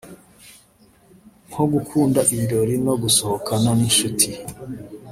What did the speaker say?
nko gukunda ibirori no gusohokana n’inshuti